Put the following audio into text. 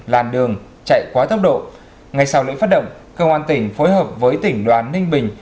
làn đường chạy quá tốc độ ngay sau lễ phát động công an tỉnh phối hợp với tỉnh đoàn ninh bình